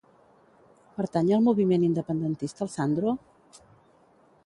Pertany al moviment independentista el Sandro?